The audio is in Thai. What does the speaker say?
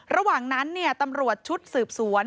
ระหว่างนั้นตำรวจชุดสืบสวน